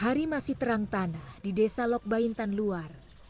hari masih terang tanah di desa lok baintan luar